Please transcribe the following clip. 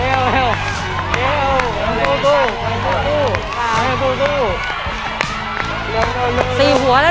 เร็วเร็วเร็วเร็ว